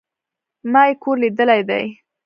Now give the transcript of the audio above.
ما ئې کور ليدلى دئ